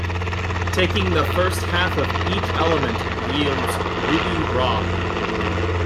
Taking the first half of each element yields "Rubi Rhod".